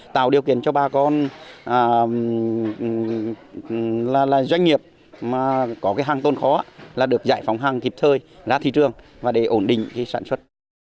tạo điều kiện cho bà con doanh nghiệp có hàng tôn khó được giải phóng hàng kịp thời ra thị trường và để ổn định sản xuất